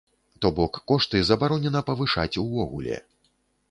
То бок, кошты забаронена павышаць увогуле!